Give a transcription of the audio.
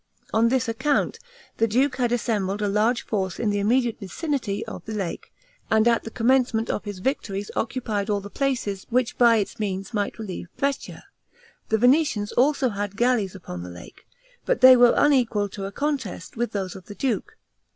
On this account the duke had assembled a large force in the immediate vicinity of the lake, and at the commencement of his victories occupied all the places which by its means might relieve Brescia. The Venetians also had galleys upon the lake, but they were unequal to a contest with those of the duke.